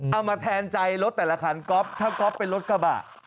เอามาแทนใจรถแต่ละคันก๊อฟถ้าก๊อฟเป็นรถกระบะ